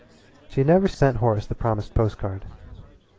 She had never sent Horace the promised post card.